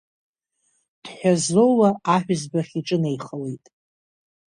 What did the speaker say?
Дҳәазоуа аҳәызбахь иҿынеихауеит.